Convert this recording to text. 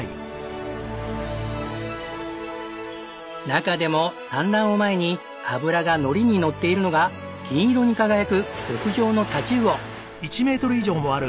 中でも産卵を前に脂がのりにのっているのが銀色に輝く極上の太刀魚！